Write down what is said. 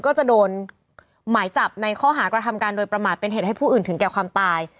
ก็จะโดนหมายจับในข้อหากระทำการโดยประมาทเป็นเหตุให้ผู้อื่นถึงแก่ความตาย